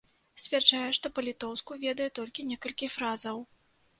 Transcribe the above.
Сцвярджае, што па-літоўску ведае толькі некалькі фразаў.